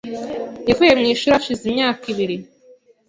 Yavuye mu ishuri hashize imyaka ibiri .